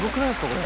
これ。